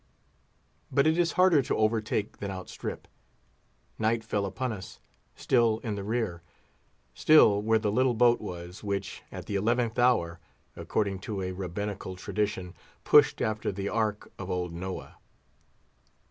But it is harder to overtake than outstrip; night fell upon us, still in the rear—still where the little boat was, which, at the eleventh hour, according to a Rabbinical tradition, pushed after the ark of old Noah.